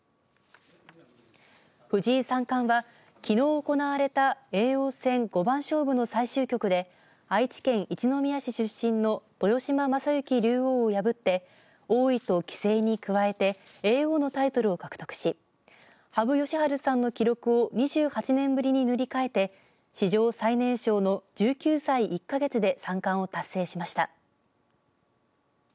藤井三冠はきのう行われた叡王戦五番勝負の最終局で愛知県一宮市出身の豊島将之竜王を破って王位と棋聖に加えて叡王のタイトルを獲得し羽生善治さんの記録を２８年ぶりに塗り替えて史上最年少の１９歳１か月で三冠を達成しました。